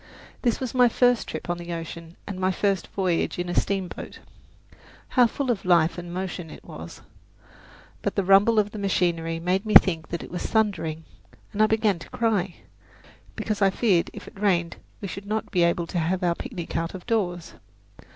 This was my first trip on the ocean and my first voyage in a steamboat. How full of life and motion it was! But the rumble of the machinery made me think it was thundering, and I began to cry, because I feared if it rained we should not be able to have our picnic out of doors.